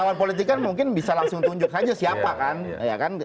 lawan politik kan mungkin bisa langsung tunjuk saja siapa kan